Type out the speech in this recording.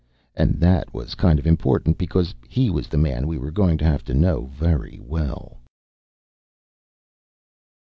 And that was kind of important, because he was the man we were going to have to know very well.